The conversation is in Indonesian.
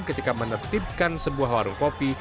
ketika menertibkan sebuah warung kopi